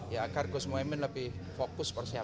ya agar gus mohamed lebih fokus persoalannya